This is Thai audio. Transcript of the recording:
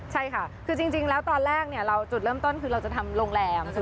ใช่ค่ะคือจริงแล้วตอนแรกเราจุดเริ่มต้นคือเราจะทำโรงแรม